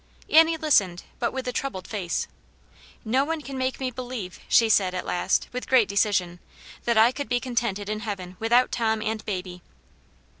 Annie listened, but with a troubled face. " No one can make me believe," she said, at last, with great decision, "that I could be contented in heaven with out Tom and baby."